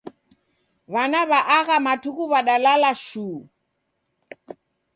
W'ana w'a agha matuku w'adalala shuu.